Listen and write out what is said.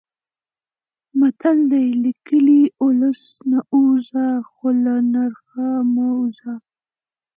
متل دی: له کلي، اولس نه ووځه خو له نرخه مه وځه.